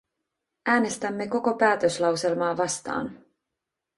Äänestämme koko päätöslauselmaa vastaan.